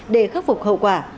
để khắc phục hậu quả